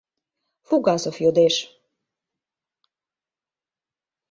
— Фугасов йодеш.